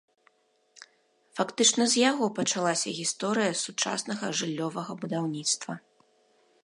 Фактычна з яго пачалася гісторыя сучаснага жыллёвага будаўніцтва.